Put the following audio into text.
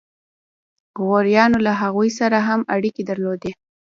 غوریانو له هغوی سره هم اړیکې درلودې.